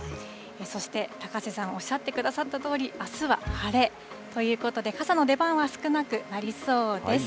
そして、高瀬さん、おっしゃってくださったとおり、あすは晴れ、ということで、傘の出番は少なくなりそうです。